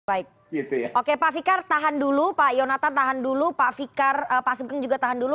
baik oke pak fikar tahan dulu pak yonatan tahan dulu pak fikar pak sugeng juga tahan dulu